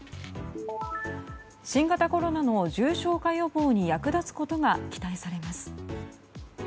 新型コロナの重症化予防に役立つことが期待されます。